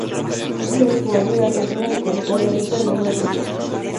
Ese mismo año, la Argentina le colocó a la isla el nombre Blanco.